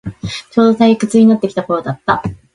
ちょうど退屈してきた頃だった